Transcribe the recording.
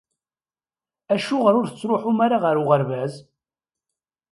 Acuɣer ur tettṛuḥum ara ɣer uɣerbaz?